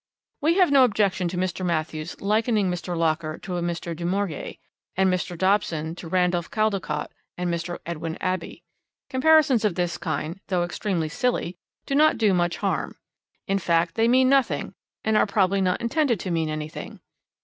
We have no objection to Mr. Matthews likening Mr. Locker to Mr. du Maurier, and Mr. Dobson to Randolph Caldecott and Mr. Edwin Abbey. Comparisons of this kind, though extremely silly, do not do much harm. In fact, they mean nothing and are probably not intended to mean anything.